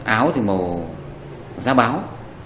áo thì màu giá báo